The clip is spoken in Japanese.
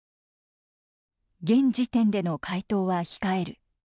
「現時点での回答は控える。